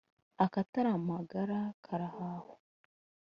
Akatari amagara karahahwa.